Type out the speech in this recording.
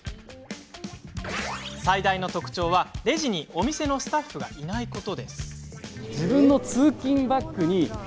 最大の特徴はレジに店のスタッフがいないこと。